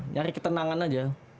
nyari ketenangan aja